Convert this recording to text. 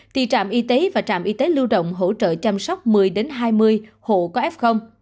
thì trạm y tế và trạm y tế lưu động hỗ trợ chăm sóc một mươi hai mươi hộ có f